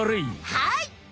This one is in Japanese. はい。